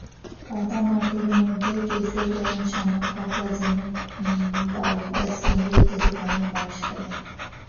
কাদামাটির মধ্যে কেঁচো, ব্যাঙ, শামুক, কাঁকড়া, ঝিনুক, বাগদা চিংড়ি ইত্যাদি প্রাণী বাস করে।